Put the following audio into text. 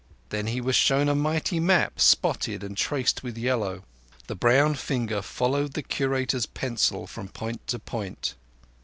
Then he was shown a mighty map, spotted and traced with yellow. The brown finger followed the Curator's pencil from point to point.